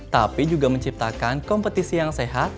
tapi juga menciptakan kompetisi yang sehat